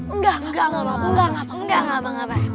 enggak enggak enggak enggak